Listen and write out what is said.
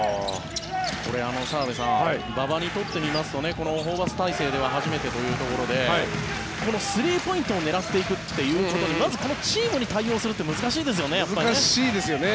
これ、澤部さん馬場にとってみますとホーバス体制では初めてというところでスリーポイントを狙っていくというまずチームに対応するって難しいですね。